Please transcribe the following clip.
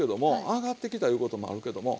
上がってきたいうこともあるけども。